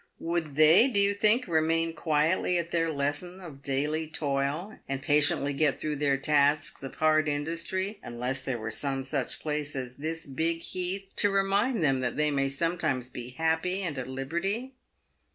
"Would they, do you think, remain quietly at their lessons of daily toil, and patiently get through their tasks of hard industry, unless there were some such place as this big heath to remind them that they may sometimes be happy and at liberty